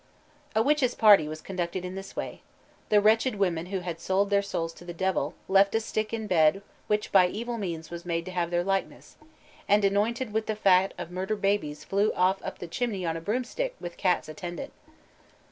A witches' party was conducted in this way. The wretched women who had sold their souls to the Devil, left a stick in bed which by evil means was made to have their likeness, and, anointed with the fat of murdered babies flew off up the chimney on a broomstick with cats attendant.